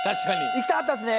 いきたかったですね